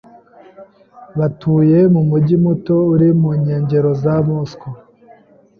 Batuye mu mujyi muto uri mu nkengero za Moscou.